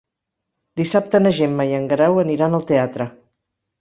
Dissabte na Gemma i en Guerau aniran al teatre.